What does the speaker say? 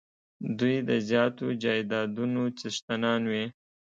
دوی د زیاتو جایدادونو څښتنان وي.